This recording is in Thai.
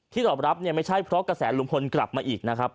ตอบรับเนี่ยไม่ใช่เพราะกระแสลุงพลกลับมาอีกนะครับ